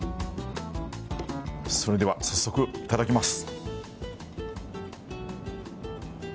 それでは、早速いただきます。